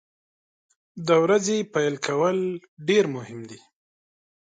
د ورځې پیل کول ډیر مهم دي.